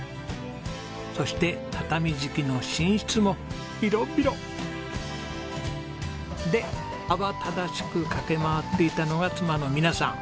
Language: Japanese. そして畳敷きの寝室も広々！で慌ただしく駆け回っていたのは妻の美奈さん。